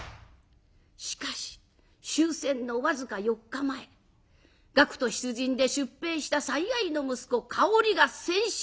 しかし終戦の僅か４日前学徒出陣で出兵した最愛の息子香織が戦死。